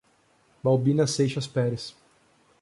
Baubina Seixas Peres